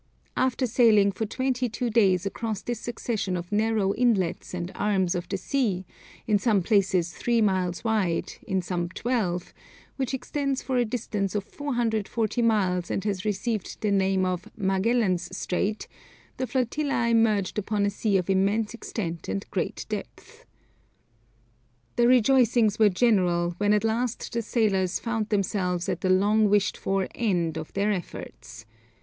After sailing for twenty two days across this succession of narrow inlets and arms of the sea, in some places three miles wide, in some twelve, which extends for a distance of 440 miles and has received the name of Magellan's Strait, the flotilla emerged upon a sea of immense extent and great depth. The rejoicings were general when at last the sailors found themselves at the long wished for end of their efforts.